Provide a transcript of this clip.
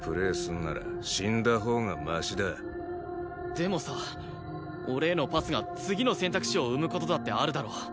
でもさ俺へのパスが次の選択肢を生む事だってあるだろ？